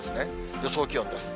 予想気温です。